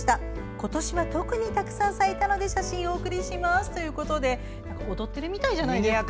今年は特にたくさん咲いたので写真をお送りしますということで踊ってるみたいじゃないですか。